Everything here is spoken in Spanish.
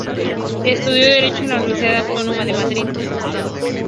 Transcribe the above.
Estudió Derecho en la Universidad Autónoma de Madrid.